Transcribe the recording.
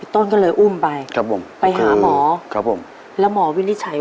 ต้นก็เลยอุ้มไป